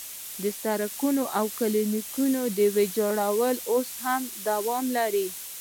سړکونه او کلینیکونه ویجاړول اوس هم دوام لري.